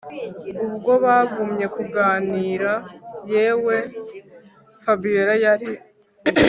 ubwo bagumye kuganira yewe fabiora yari